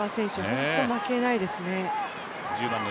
本当に負けないですね。